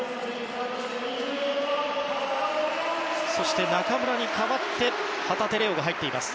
そして、中村に代わって旗手怜央が入ります。